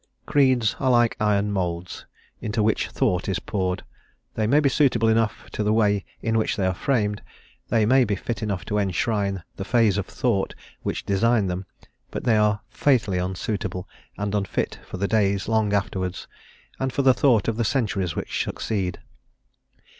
Creeds are like iron moulds, into which thought is poured; they may be suitable enough to the way in which they are framed; they may be fit enough to enshrine the phase of thought which designed them; but they are fatally unsuitable and unfit for the days long afterwards, and for the thought of the centuries which succeed.